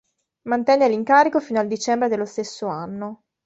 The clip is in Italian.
Mantenne l'incarico fino al dicembre dello stesso anno.